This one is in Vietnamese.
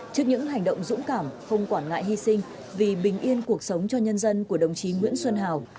trước những hành động dũng cảm không quản ngại hy sinh vì bình yên cuộc sống cho nhân dân của đồng chí nguyễn xuân hào